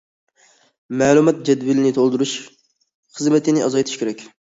-- مەلۇمات جەدۋىلىنى تولدۇرۇش خىزمىتىنى ئازايتىش كېرەك.